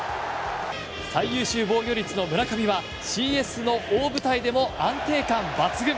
最優秀防御率の村上はＣＳの大舞台でも安定感抜群。